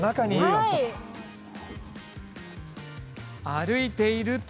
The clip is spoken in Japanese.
歩いていると。